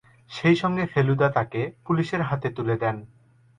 সেইসঙ্গে ফেলুদা তাকে পুলিশের হাতে তুলে দেন।